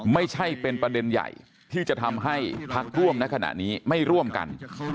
ไม่ใช่เป็นประเด็นใหญ่ที่จะทำให้พักร่วมในขณะนี้ไม่ร่วมกัน